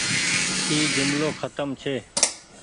اي جملو کتم ڇي۔